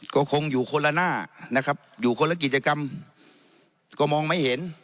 ก็คงอยู่คนละหน้านะครับอยู่คนละกิจกรรมก็มองไม่เห็น